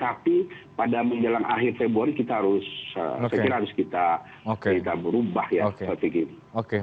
tapi pada menjelang akhir februari kita harus saya kira harus kita berubah ya strategi ini